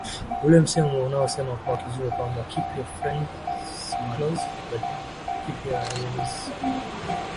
ule msemo unaosema kwa kizungu kwamba keep your friends close but keep your enemies